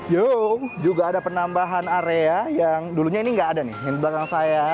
yo juga ada penambahan area yang dulunya ini nggak ada nih ini belakang saya